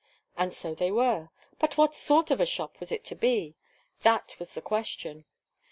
And so they were, but what sort of a shop was it to be? That was the question.